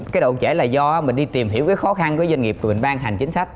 cái độ trễ là do mình đi tìm hiểu cái khó khăn của doanh nghiệp của mình ban hành chính sách